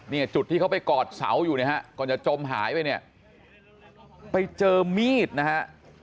เนี่ยจุดที่เขาไปกอดเสาอยู่นะฮะก่อนจะจมหายไปเนี่ยไปเจอมีดนะฮะ